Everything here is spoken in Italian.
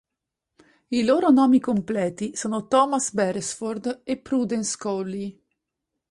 I loro nomi completi sono "Thomas Beresford" e "Prudence Cowley".